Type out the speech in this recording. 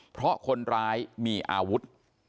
เพราะคนร้ายมีอาวุธ